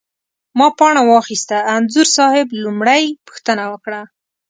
ما پاڼه واخسته، انځور صاحب لومړۍ پوښتنه وکړه.